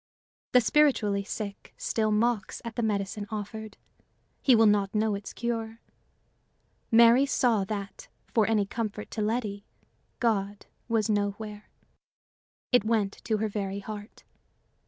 The spiritually sick still mocks at the medicine offered; he will not know its cure. Mary saw that, for any comfort to Letty, God was nowhere. It went to her very heart.